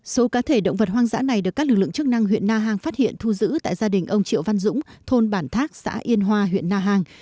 số cá thể động vật hoang dã này được các lực lượng chức năng huyện na hàng phát hiện thu giữ tại gia đình ông triệu văn dũng thôn bản thác xã yên hoa huyện na hàng